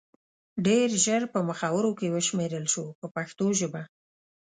ډېر ژر په مخورو کې وشمېرل شو په پښتو ژبه.